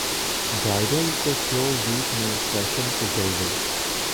bridal couture week میں fashion کے جلوے